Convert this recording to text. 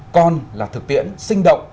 còn là thực tiễn sinh động